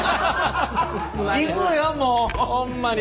行くよもうホンマに。